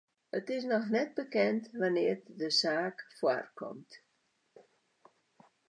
It is noch net bekend wannear't de saak foarkomt.